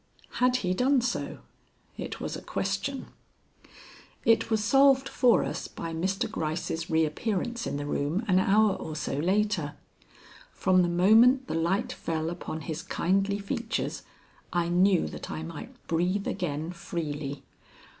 Had he done so? It was a question. It was solved for us by Mr. Gryce's reappearance in the room an hour or so later. From the moment the light fell upon his kindly features I knew that I might breathe again freely.